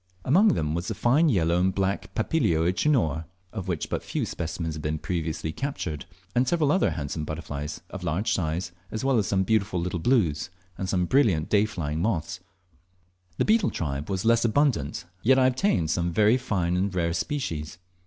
Among them was the fine yellow and black Papilio euchenor, of which but few specimens had been previously captured, and several other handsome butterflies of large size, as well as some beautiful little "blues," and some brilliant dayflying moths. The beetle tribe were less abundant, yet I obtained some very fine and rare species.